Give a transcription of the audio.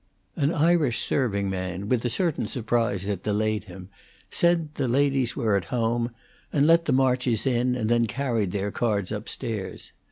An Irish serving man, with a certain surprise that delayed him, said the ladies were at home, and let the Marches in, and then carried their cards up stairs.